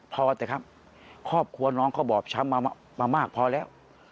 พอเถอะครับครอบครัวน้องเขาบอบช้ำมามากพอแล้ว